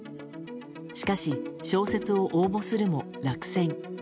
しかし小説を応募するも、落選。